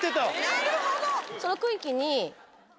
なるほど。